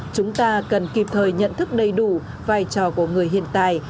chúng ta cần kịp thời nhận thức đầy đủ vai trò của người hiện tại